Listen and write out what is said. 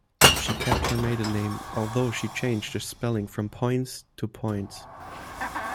She kept her maiden name, although she changed the spelling from "Points" to "Poyntz".